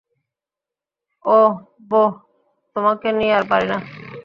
অহ, বোহ, তোমাকে নিয়ে আর পাড়ি না।